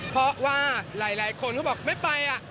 เพราะว่าหลายคนเขาบอกไม่ไป